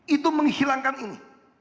itu menghilangkan ini